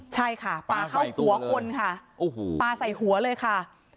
ใช่ค่ะปาเขาหัวคนค่ะปาใส่หัวเลยค่ะ